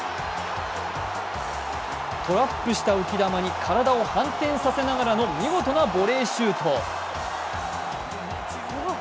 トラップした浮き球に体を反転させながらの見事なボレーシュート。